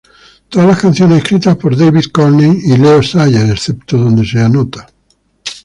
Todas las canciones escritas por David Courtney y Leo Sayer excepto donde se anota.